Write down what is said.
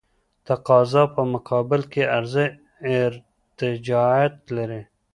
د تقاضا په مقابل کې عرضه ارتجاعیت لري.